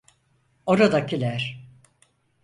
Oradakiler!